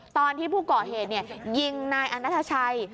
ตอนที่ผู้ก่อเหตุยิงนายอนัทชัย